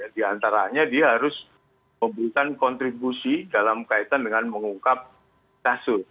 di antaranya dia harus memberikan kontribusi dalam kaitan dengan mengungkap kasus